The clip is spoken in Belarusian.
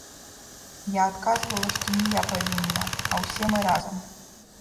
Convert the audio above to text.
Я адказвала, што не я павінна, а ўсе мы разам.